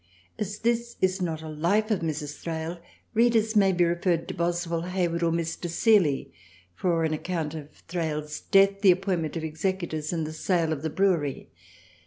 As this is not a life of Mrs. Thrale, readers may be referred to Boswell, Hayward or Mr. Seeley for THRALIANA 37 an account of Thrale*s death, the appointment of Executors and the sale of the Brewery.